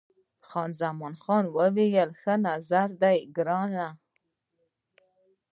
خان زمان وویل، ښه نظر دی ګرانه.